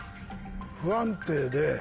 不安定で。